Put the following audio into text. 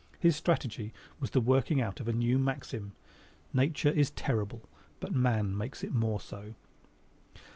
His strategy was the working out of a new maxim: Nature is terrible, but man makes it more so.